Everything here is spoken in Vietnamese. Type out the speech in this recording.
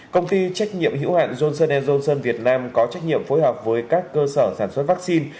công ty trách nhiệm hữu hạn johnson johnson việt nam có trách nhiệm phối hợp với các cơ sở sản xuất vaccine